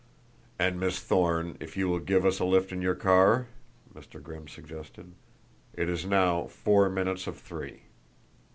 "And, Miss Thorne, if you will give us a lift in your car?" Mr. Grimm suggested. "It is now four minutes of three."